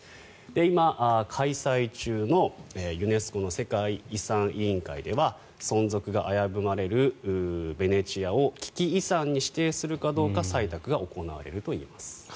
今、開催中のユネスコの世界遺産委員会では存続が危ぶまれるベネチアを危機遺産に指定するかどうか採択が行われるといいます。